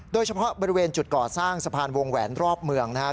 โดยเฉพาะบริเวณจุดก่อสร้างสะพานวงแหวนรอบเมืองนะครับ